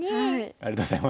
ありがとうございます。